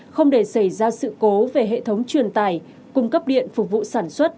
không để xảy ra sự cố về hệ thống truyền tải cung cấp điện phục vụ sản xuất